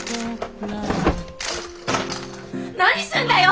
何すんだよ！